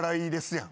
やん